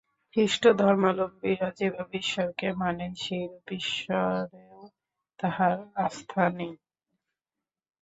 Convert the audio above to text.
খ্রীষ্টধর্মাবলম্বীরা যেভাবে ঈশ্বরকে মানেন, সেইরূপ ঈশ্বরেও তাঁহার আস্থা নাই।